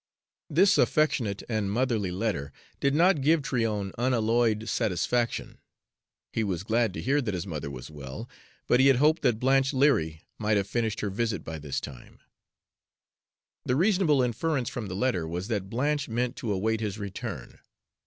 This affectionate and motherly letter did not give Tryon unalloyed satisfaction. He was glad to hear that his mother was well, but he had hoped that Blanche Leary might have finished her visit by this time. The reasonable inference from the letter was that Blanche meant to await his return.